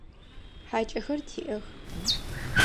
ХьакӀэхэр тиӀэх.